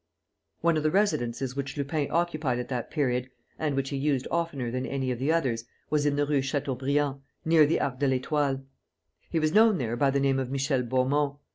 One of the residences which Lupin occupied at that period and which he used oftener than any of the others was in the Rue Chateaubriand, near the Arc de l'Étoile. He was known there by the name of Michel Beaumont.